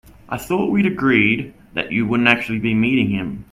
I thought we'd agreed that you wouldn't actually be meeting him?